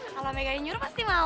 kalau megan nyuruh pasti mau